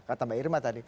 kata mbak irma tadi